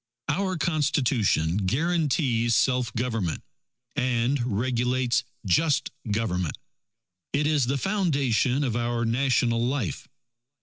Our Constitution guarantees self government, and regulates just government. It is the foundation of our national life.